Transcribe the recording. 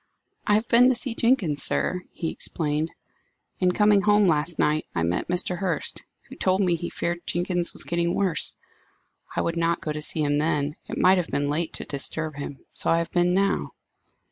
"I have been to see Jenkins, sir," he explained. "In coming home last night, I met Mr. Hurst, who told me he feared Jenkins was getting worse. I would not go to see him then; it might have been late to disturb him, so I have been now."